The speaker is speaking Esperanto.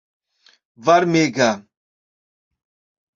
varmega